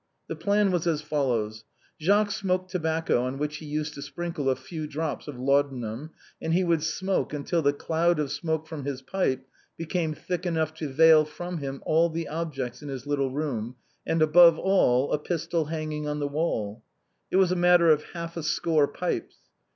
The plan was as follows. Jacques smoked tobacco on which he used to sprinkle a few drops of laudanum, and he would smoke until the cloud of smoke from his pipe became thick enough to veil from him all the objects in his little room, and, above all, a pistol hanging on the wall. It was a matter of half a score pipes.